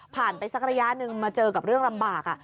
ไปสักระยะหนึ่งมาเจอกับเรื่องลำบาก